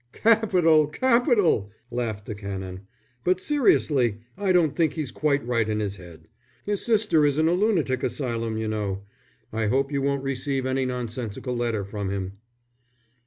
"Capital! Capital!" laughed the Canon. "But seriously I don't think he's quite right in his head. His sister is in a lunatic asylum, you know. I hope you won't receive any nonsensical letter from him."